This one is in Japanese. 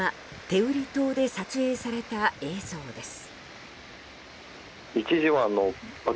天売島で撮影された映像です。